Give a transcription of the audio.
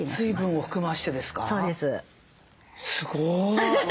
すごい。